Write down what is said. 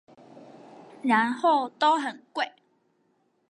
然後都很貴！